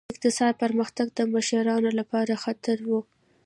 اقتصادي پرمختګ د مشرانو لپاره خطر و.